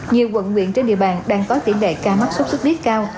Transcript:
nhiều quận nguyện trên địa bàn đang có tỉ lệ ca mắc sốt sốt huyết cao